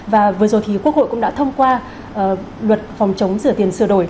và vừa rồi thì quốc hội cũng đã thông qua luật phòng chống rửa tiền sửa đổi